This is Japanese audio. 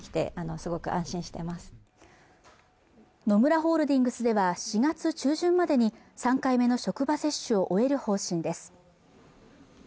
野村ホールディングスでは４月中旬までに３回目の職場接種を終える方針です